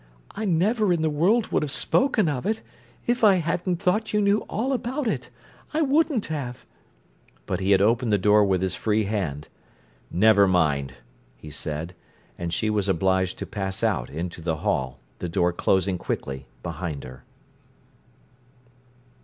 "I never in the world would have spoken of it, if I hadn't thought you knew all about it. I wouldn't have—" But he had opened the door with his free hand. "Never mind!" he said, and she was obliged to pass out into the hall, the door closing quickly behind her.